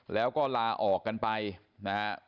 แล้วก็ลาออกกันไปนะฮะ